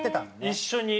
一緒に。